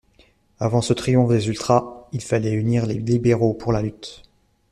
Avant ce triomphe des ultras, il fallait unir les libéraux pour la lutte.